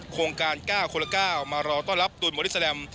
โครงการ๙คนละ๙มารอต้อนรับตูนบอดี้แลม